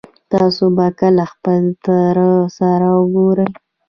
تاسو به کله خپل تره سره وګورئ